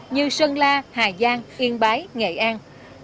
như sơn la hà giang yên bái nghệ an